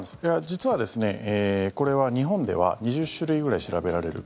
実は、これは日本では２０種類ぐらい調べられるＰＣＲ。